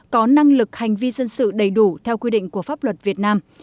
có năng lực hành vi dân sự đầy đủ theo quy định của pháp luật việt nam